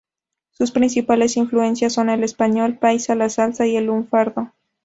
Sus principales influencias son el español paisa, la salsa y el lunfardo.